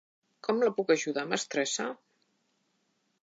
Com la puc ajudar, mestressa?